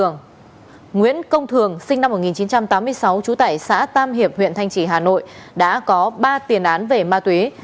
nguyễn công thường sinh năm một nghìn chín trăm tám mươi sáu trú tại xã tam hiệp huyện thanh trì hà nội đã có ba tiền án về ma túy